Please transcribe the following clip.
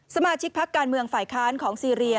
สมาชิกพักการเมืองฝ่ายค้านของซีเรีย